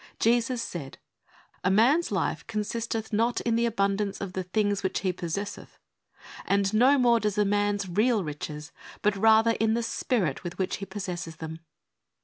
Jesus said, " A man's life consisteth not in the abundance of the things which he possesseth," and no more does a man's real riches, but rather in the spirit with which he possesses them.